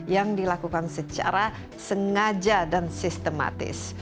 yang dilakukan secara sengaja dan sistematis